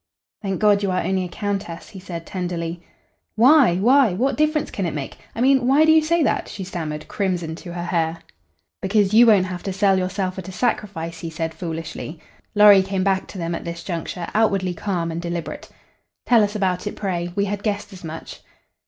"Thank God, you are only a Countess," he said, tenderly. "Why why what difference can it make! I mean, why do you say that?" she stammered, crimson to her hair. "Because you won't have to sell yourself at a sacrifice," he said, foolishly. Lorry came back to them at this juncture, outwardly calm and deliberate. "Tell us about it, pray. We had guessed as much."